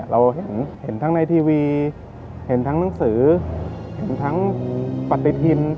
เราเห็นทั้งในทีวีเห็นทั้งหนังสือเห็นทั้งปฏิทิน